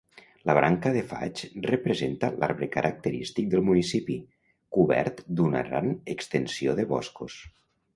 La branca de faig representa l'arbre característic del municipi, cobert d'una gran extensió de boscos.